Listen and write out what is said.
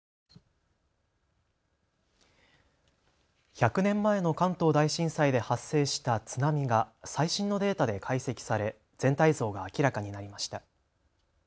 １００年前の関東大震災で発生した津波が最新のデータで解析され全体像が明らかになりました。